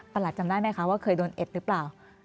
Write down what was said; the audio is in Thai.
จำได้ไหมคะว่าเคยโดนเอ็ดหรือเปล่า